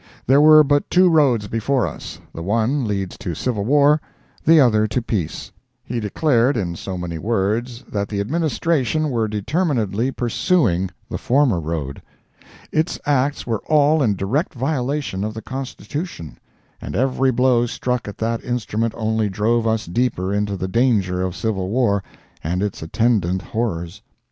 There were but two roads before us; the one leads to civil war, the other to peace. He declared in so many words that the Administration were determinedly pursuing the former road. Its acts were all in direct violation of the Constitution, and every blow struck at that instrument only drove us deeper into the danger of civil war and its attendant horrors.